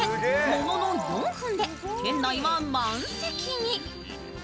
ものの４分で店内は満席に。